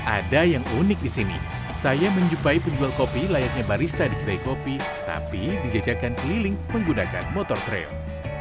ada yang unik di sini saya menjumpai penjual kopi layaknya barista di kedai kopi tapi dijajakan keliling menggunakan motor trail